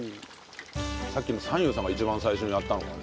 さっきの三友さんが一番最初にやったのかね？